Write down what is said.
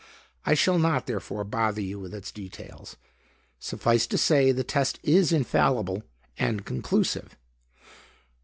I shall not, therefore, bother you with its details. Suffice to say, the test is infallible and conclusive."